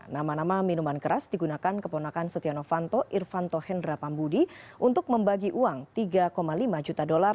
nama nama minuman keras digunakan keponakan setia novanto irfanto hendra pambudi untuk membagi uang tiga lima juta dolar